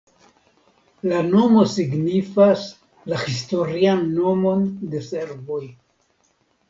La nomo signifas la historian nomon de serboj.